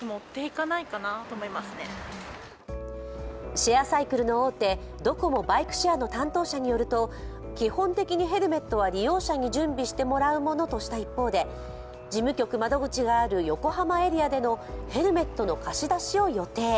シェアサイクルの大手、ドコモ・バイクシェアの担当者によると、基本的にヘルメットは利用者に準備してもらうものとした一方で事務局窓口がある横浜エリアでのヘルメットの貸し出しを予定。